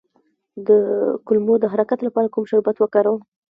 د کولمو د حرکت لپاره کوم شربت وکاروم؟